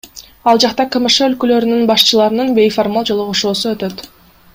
Ал жакта КМШ өлкөлөрүнүн башчыларынын бейформал жолугушуусу өтөт.